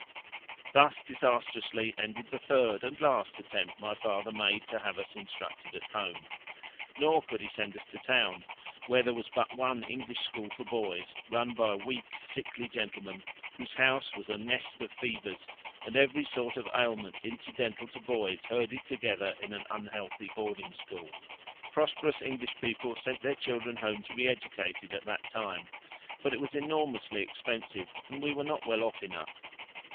Thus disastrously ended the third and last attempt my father made to have us instructed at home. Nor could he send us to town, where there was but one English school for boys, run by a weak, sickly gentleman, whose house was a nest of fevers and every sort of ailment incidental to boys herded together in an unhealthy boarding school. Prosperous English people sent their children home to be educated at that time, but it was enormously expensive and we were not well off enough.